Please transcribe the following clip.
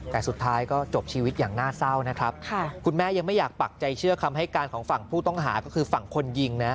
แต่สุดท้ายก็จบชีวิตอย่างน่าเศร้านะครับคุณแม่ยังไม่อยากปักใจเชื่อคำให้การของฝั่งผู้ต้องหาก็คือฝั่งคนยิงนะ